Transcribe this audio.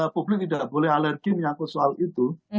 publik tidak boleh alergi menyangkut soal itu